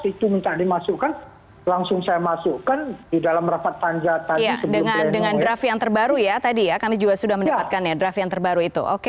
itu minta dimasukkan langsung saya masukkan di dalam rapat panjat tadi dengan draft yang terbaru ya tadi ya kami juga sudah mendapatkan ya draft yang terbaru itu oke